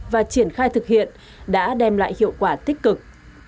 và triển khai thực hiện đã đem lại hiệu quả tích cực